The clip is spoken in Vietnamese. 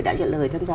đã nhận lời tham gia